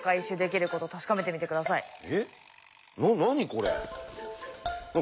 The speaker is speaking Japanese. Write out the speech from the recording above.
これ。